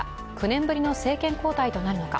９年ぶりの政権交代となるのか。